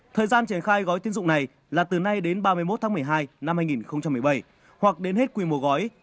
thời gian triển khai gói tiến dụng này là từ nay đến ba mươi một tháng một mươi hai năm hai nghìn một mươi bảy hoặc đến hết quy mô gói